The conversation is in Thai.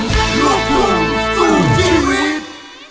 สู้อ่ะหยุดครับ